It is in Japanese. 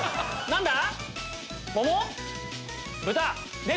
何だ？